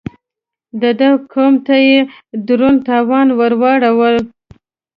د ده قوم ته يې دروند تاوان ور واړاوه.